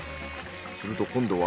すると今度は？